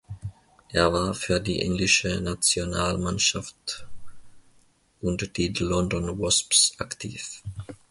Er war für die englische Nationalmannschaft und die London Wasps aktiv.